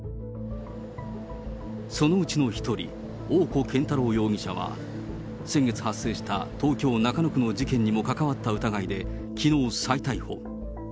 そのうちの一人、大古健太郎容疑者は、先月発生した東京・中野区の事件にも関わった疑いで、きのう、再逮捕。